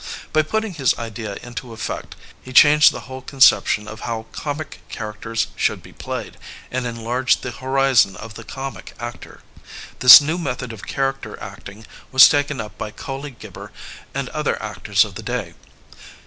By putting his idea into effect he changed the whole conception of how comic charac ters should be played, and enlarged the horizon of Digitized by LjOOQIC THE ACTOR IN ENGLAND 555 the comic actor. This new method of character act ing was taken up by Colley Gibber and other actors of the day.